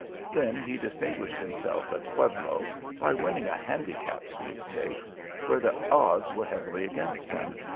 Then he distinguished himself at Pueblo by winning a handicap sweepstakes where the odds were heavy against him.